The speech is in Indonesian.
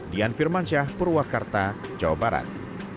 dian firmansyah purwakarta jawa barat